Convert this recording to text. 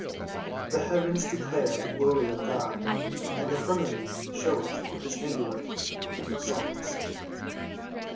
The heavens declare the glory of God; and the firmament sheweth his handiwork. Psalms.